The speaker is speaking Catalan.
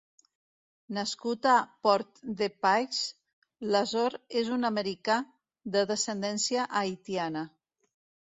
Nascut a Port-de-Paix, l'Azor és un americà de descendència haitiana.